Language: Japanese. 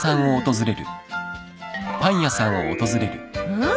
うん？